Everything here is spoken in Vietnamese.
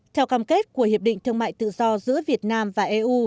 theo cam kết của hiệp định thương mại tự do giữa việt nam và eu